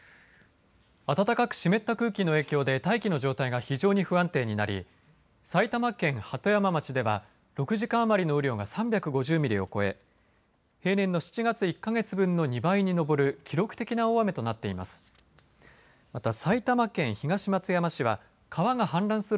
暖かく湿った空気の影響で大気の状態が非常に不安定になり埼玉県鳩山町では６時間余りの雨量が３５０ミリを超え平年の７月１か月分の２倍に上る記録的な大雨となっています。